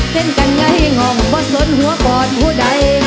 เต้นกันไงงองบอสล้นหัวปอดผู้ใด